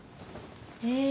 え。